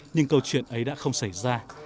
nhưng câu chuyện ấy đã không xảy ra